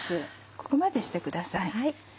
ここまでしてください。